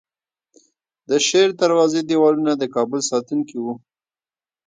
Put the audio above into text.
د شیردروازې دیوالونه د کابل ساتونکي وو